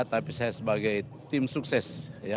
tapi saya sebagai tim sukses